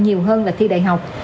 nhiều hơn là thi đại học